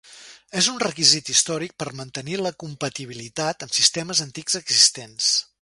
És un requisit històric per a mantenir la compatibilitat amb sistemes antics existents.